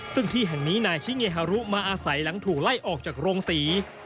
ซึ่งที่แห่งนี้นายชิเงฮารุมาอาศัยหลังถูกไล่ออกจากโรงศรี